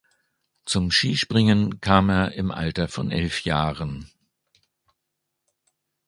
Zum Skispringen kam er im Alter von elf Jahren.